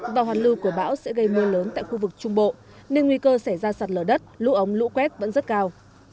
và hoàn lưu của bão sẽ gây mưa lớn tại khu vực trung bộ nên nguy cơ xảy ra sạt lở đất lũ ống lũ quét vẫn rất cao